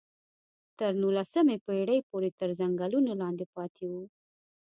تر نولسمې پېړۍ پورې تر ځنګلونو لاندې پاتې وو.